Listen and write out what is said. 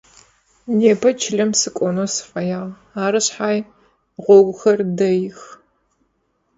Непэ чылэм сыкӏонэу сыфэягъ, ары шъхьай гъогухэр дэих.